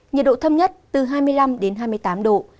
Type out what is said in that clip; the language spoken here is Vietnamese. nhiệt độ thấp nhất từ hai mươi năm đến hai mươi tám độ